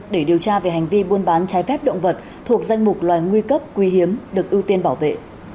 để điều tra về hành vi buôn bán trái phép động vật thuộc danh mục loài nguy cấp quý hiếm được ưu tiên bảo vệ